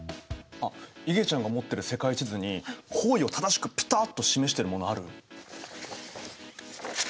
あっいげちゃんが持ってる世界地図に方位を正しくピタッと示してるものある？